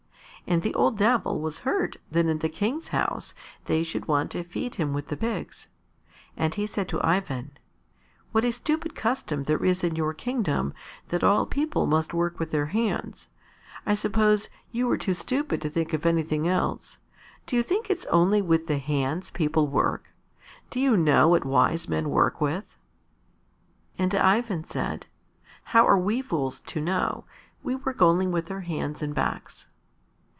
And the old Devil was hurt that in the King's house they should want to feed him with the pigs. And he said to Ivan, "What a stupid custom there is in your kingdom that all people must work with their hands! I suppose you were too stupid to think of anything else. Do you think it's only with the hands people work? Do you know what wise men work with?" And Ivan said, "How are we fools to know; we work only with our hands and backs."